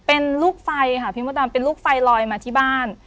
เป็นลูกไฟค่ะพี่มดดำเป็นลูกไฟลอยมาที่บ้าน